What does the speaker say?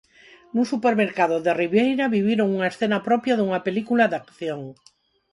Nun supermercado de Ribeira viviron unha escena propia dunha película de acción.